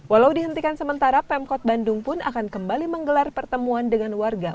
walau dihentikan sementara pemkot bandung pun akan kembali menggelar pertemuan dengan warga